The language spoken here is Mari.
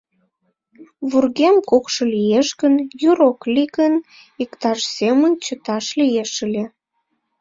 Вургем кукшо лиеш гын, йӱр ок лий гын, иктаж-семын чыташ лиеш ыле...